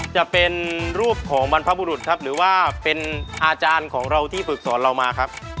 จะเป็นรูปของบรรพบุรุษครับหรือว่าเป็นอาจารย์ของเราที่ฝึกสอนเรามาครับ